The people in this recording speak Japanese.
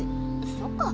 そっか。